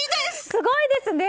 すごいですね！